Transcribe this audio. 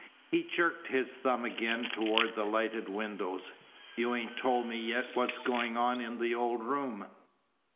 He jerked his thumb again toward the lighted windows. "You ain't told me yet what's going on in the old room."